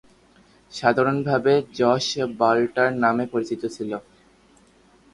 সাধারণভাবে Jos Buttler নামে পরিচিত।